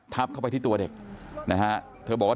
ทับเข้าไปที่ตัวเด็กเธอบอกว่า